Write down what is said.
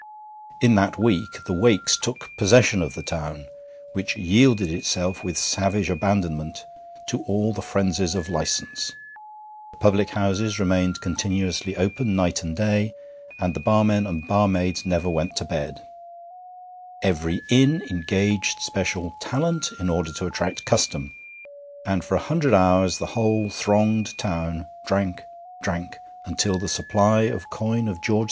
In that week the Wakes took possession of the town, which yielded itself with savage abandonment to all the frenzies of license. The public houses remained continuously open night and day, and the barmen and barmaids never went to bed; every inn engaged special 'talent' in order to attract custom, and for a hundred hours the whole thronged town drank, drank, until the supply of coin of George IV.